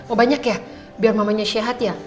oh banyak ya biar mamanya sehat ya